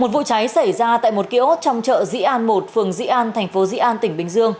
một vụ cháy xảy ra tại một kiosk trong chợ dĩ an một phường dĩ an thành phố dĩ an tỉnh bình dương